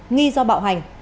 nghi do bạo hành